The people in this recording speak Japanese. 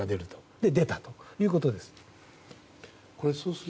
それで出たということです。